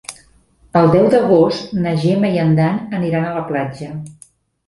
El deu d'agost na Gemma i en Dan aniran a la platja.